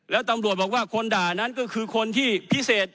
แล้วตำรวจบอกว่าคนด่านั้นก็คือคนที่พิเศษ